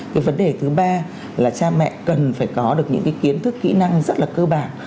cái vấn đề thứ ba là cha mẹ cần phải có được những cái kiến thức kỹ năng rất là cơ bản